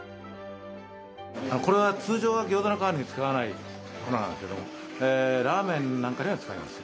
これは通常は餃子の皮に使わない粉なんですけどもラーメンなんかには使います。